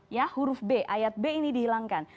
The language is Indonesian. ya huruf b ayat b ini dihilangkan